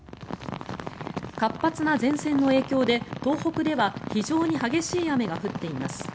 活発な前線の影響で東北では非常に激しい雨が降っています。